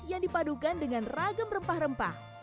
yang dipadukan dengan ragam rempah rempah